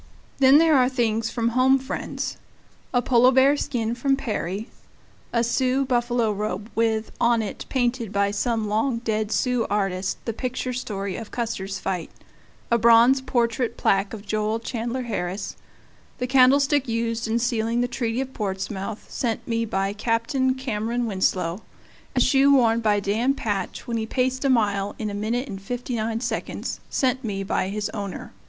Then there are things from home friends: a Polar bear skin from Peary; a Sioux buffalo robe with, on it, painted by some long dead Sioux artist, the picture story of Custer's fight; a bronze portrait plaque of Joel Chandler Harris; the candlestick used in sealing the Treaty of Portsmouth, sent me by Captain Cameron Winslow; a shoe worn by Dan Patch when he paced a mile in 1:59, sent me by his owner.